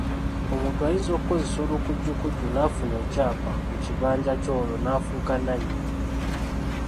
Omuntu ayinza okukozesa olukujjukujju n’afuna ekyapa ku kibanja kyo olwo n’afuuka nnannyini.